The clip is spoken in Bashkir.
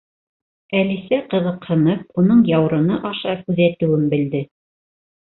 Әлисә, ҡыҙыҡһынып, уның яурыны аша күҙәтеүен белде.